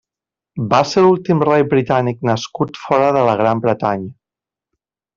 Va ser l'últim rei britànic nascut fora de la Gran Bretanya.